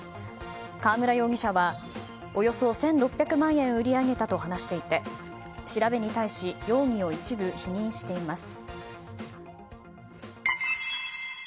川村容疑者はおよそ１６００万円売り上げたと話していて調べに対し容疑を一部否認しています。